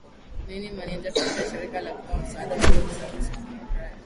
ni ni meneja katika shirika la kutoa msaada la ward service of micrai